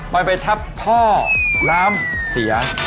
ปล่อยไปทับท่อร้ำเสีย